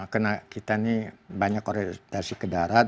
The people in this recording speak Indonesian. karena kita ini banyak orientasi ke darat